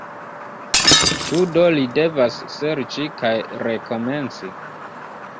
Ĉu do li devas serĉi kaj rekomenci?